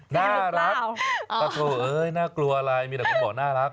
น่ารักป้าโถเอ้ยน่ากลัวอะไรมีแต่ผมบอกน่ารัก